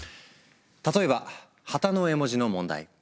例えば旗の絵文字の問題。